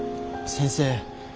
先生。